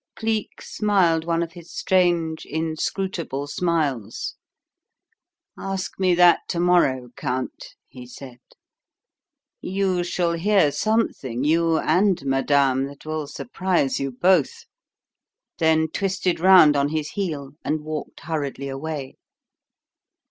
Cleek smiled one of his strange, inscrutable smiles. "Ask me that to morrow, Count," he said. "You shall hear something, you and madame, that will surprise you both," then twisted round on his heel and walked hurriedly away.